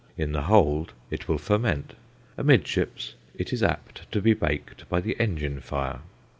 In the hold it will ferment. Amidships it is apt to be baked by the engine fire.